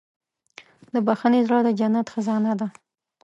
د بښنې زړه د جنت خزانه ده.